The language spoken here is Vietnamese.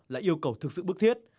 là yêu cầu thực sự bức thiết